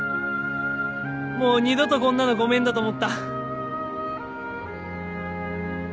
もう二度とこんなのごめんだと思った。